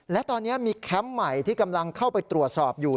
และตอนนี้มีแคมป์ใหม่ที่กำลังเข้าไปตรวจสอบอยู่